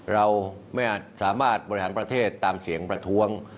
เราไม่อาจสามารถบริหารประเทศตามเสียงประท้วง